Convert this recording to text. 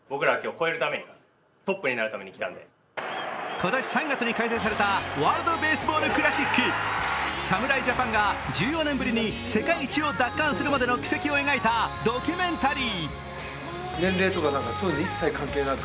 今年３月に開催されたワールドベースボールクラシック侍ジャパンが１４年ぶりに世界一を奪還するまでの軌跡を描いたドキュメンタリー。